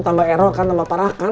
tambah erol kan tambah parah kan